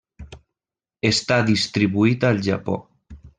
Està distribuït al Japó.